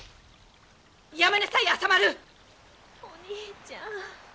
やめなさい麻丸！お兄ちゃん。